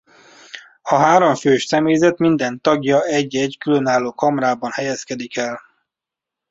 A háromfős személyzet minden tagja egy-egy különálló kamrában helyezkedik el.